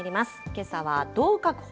けさはどう確保？